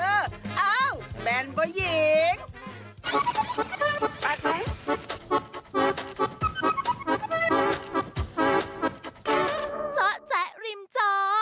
เอ้าแมนบ่หญิง